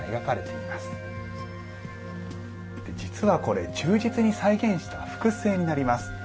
実はこれ忠実に再現した複製になります。